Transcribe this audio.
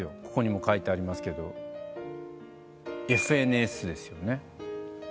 ここにも書いてありますけど『ＦＮＳ』ですよね。